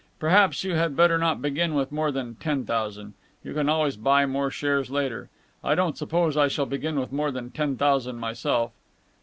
Perhaps you had better not begin with more than ten thousand. You can always buy more shares later. I don't suppose I shall begin with more than ten thousand myself."